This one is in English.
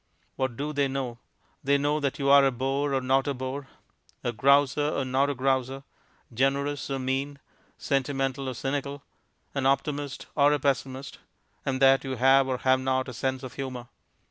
What do they know? They know that you are a bore or not a bore, a grouser or not a grouser, generous or mean, sentimental or cynical, an optimist or a pessimist, and that you have or have not a sense of humour.